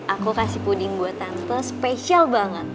aku kasih puding buat tante spesial banget